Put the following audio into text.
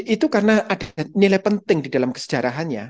itu karena ada nilai penting di dalam kesejarahannya